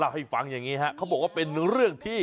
ให้ฟังอย่างนี้ฮะเขาบอกว่าเป็นเรื่องที่